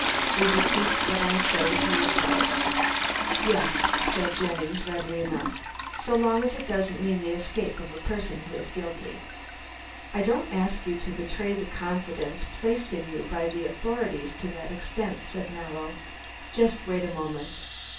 "Will you keep what I say to yourself?" "Yes," said Jennings, readily enough, "so long as it doesn't mean the escape of the person who is guilty." "I don't ask you to betray the confidence placed in you by the authorities to that extent," said Mallow, "just wait a moment."